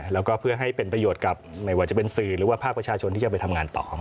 แล้วก็เพื่อให้เป็นประโยชน์กับไม่ว่าจะเป็นสื่อหรือว่าภาคประชาชนที่จะไปทำงานต่อ